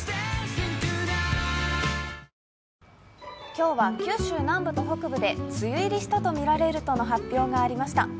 今日は九州南部と北部で梅雨入りしたとみられるとの発表がありました。